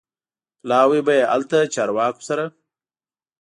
پلاوی به یې هلته چارواکو سره